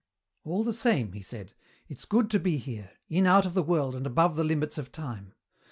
"All the same," he said, "it's good to be here, in out of the world and above the limits of time.